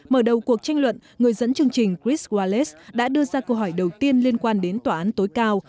mở đầu cuộc tranh luận người dẫn chương trình chris wallace đã đưa ra câu hỏi đầu tiên liên quan đến tòa án tối cao